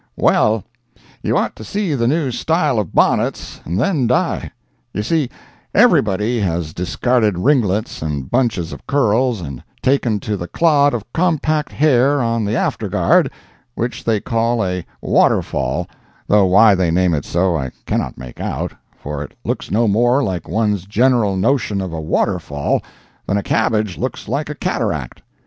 Well, you ought to see the new style of bonnets, and then die. You see, everybody has discarded ringlets and bunches of curls, and taken to the clod of compact hair on the "after guard," which they call a "waterfall," though why they name it so I cannot make out, for it looks no more like one's general notion of a waterfall than a cabbage looks like a cataract.